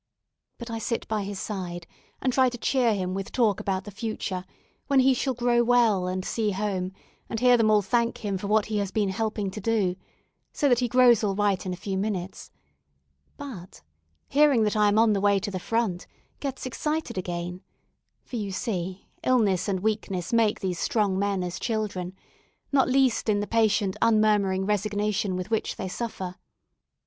But I sit by his side, and try to cheer him with talk about the future, when he shall grow well, and see home, and hear them all thank him for what he has been helping to do, so that he grows all right in a few minutes; but, hearing that I am on the way to the front, gets excited again; for, you see, illness and weakness make these strong men as children, not least in the patient unmurmuring resignation with which they suffer.